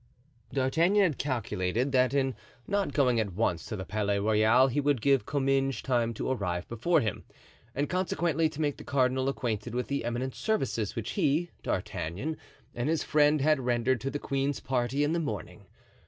D'Artagnan had calculated that in not going at once to the Palais Royal he would give Comminges time to arrive before him, and consequently to make the cardinal acquainted with the eminent services which he, D'Artagnan, and his friend had rendered to the queen's party in the morning.